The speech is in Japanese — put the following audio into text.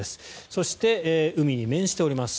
そして、海に面しております。